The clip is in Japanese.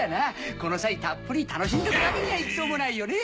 この際たっぷり楽しむってわけにはいきそうもないよね。